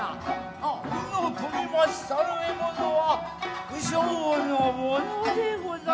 あっ鵜の獲りましたる獲物は鵜匠のものでござりまする。